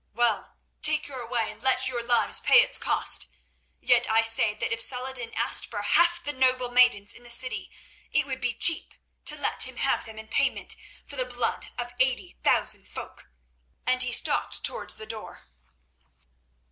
Well, take your way and let your lives pay its cost. Yet I say that if Saladin asked for half the noble maidens in the city, it would be cheap to let him have them in payment for the blood of eighty thousand folk," and he stalked towards the door.